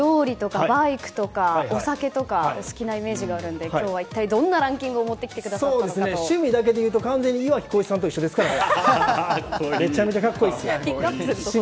バイクとかお酒とか好きなイメージがあるので今日は一体どんなランキングを趣味だけでいうと完全に岩城滉一さんと一緒ですからね。